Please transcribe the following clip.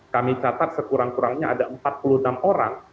kami catat sekurang kurangnya ada empat puluh enam orang